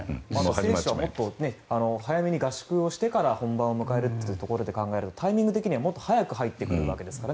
選手はもっと早めに合宿をしてから本番を迎えるというところで考えるとタイミング的にはもっと早く入ってくるわけですから。